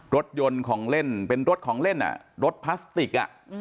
รถยนต์ของเล่นเป็นรถของเล่นรถพลาสติก